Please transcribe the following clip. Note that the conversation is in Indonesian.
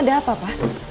ada apa pak